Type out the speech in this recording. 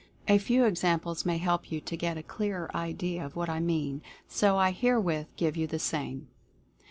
A few examples may help you to get a clearer idea of what I mean, so I herewith give you the same.